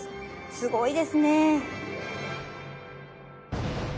すごいですね！